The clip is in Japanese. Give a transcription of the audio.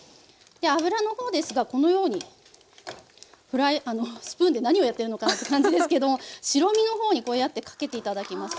油の方ですがこのようにあのスプーンで何をやってるのかなって感じですけども白身の方にこうやってかけて頂きます。